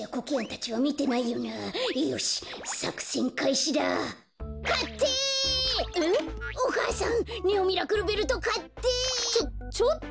ちょちょっと。